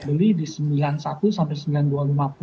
beli di rp sembilan puluh satu sampai rp sembilan puluh dua lima puluh